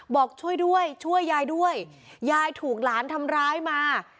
บอกช่วยด้วยช่วยยายด้วยยายถูกหลานทำร้ายมา